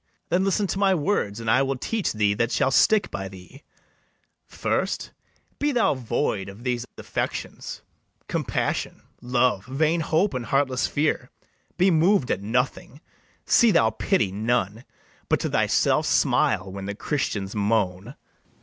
then listen to my words, And I will teach [thee] that shall stick by thee: First, be thou void of these affections, Compassion, love, vain hope, and heartless fear; Be mov'd at nothing, see thou pity none, But to thyself smile when the Christians moan.